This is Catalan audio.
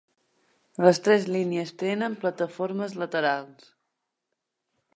Les tres línies tenen plataformes laterals.